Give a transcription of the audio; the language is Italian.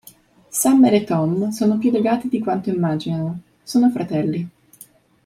Summer e Tom sono più legati di quanto immaginano: sono fratelli.